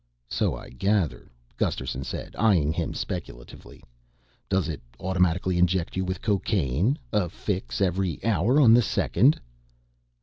"So I gather," Gusterson said, eyeing him speculatively. "Does it automatically inject you with cocaine? A fix every hour on the second?"